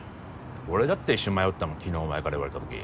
俺だって一瞬迷ったもん昨日お前から言われたとき。